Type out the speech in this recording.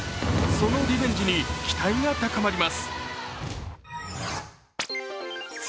そのリベンジに期待が高まります。